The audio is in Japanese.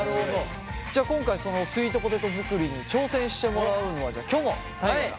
じゃ今回そのスイートポテト作りに挑戦してもらうのはじゃきょも大我。